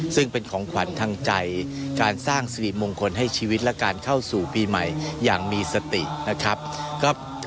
ซึ่งเป็นของขวัญทางใจการสร้างสิริมงคลให้ชีวิตและการเข้าสู่ปีใหม่อย่างมีสตินะครับ